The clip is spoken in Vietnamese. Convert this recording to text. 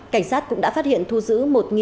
cảnh sát cũng đã phát hiện thu giữ